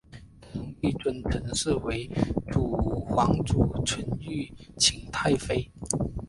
乾隆帝尊陈氏为皇祖纯裕勤太妃。